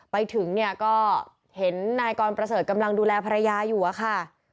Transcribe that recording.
ไปถึงเนี่ยก็เห็นนายกรประเสริฐกำลังดูแลภรรยาอยู่อะค่ะ